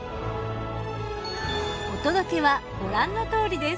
お届けはご覧のとおりです。